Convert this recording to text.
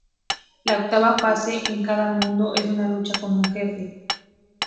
La octava fase en cada mundo es una lucha con un jefe.